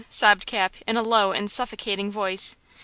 sobbed Cap, in a low and suffocating voice.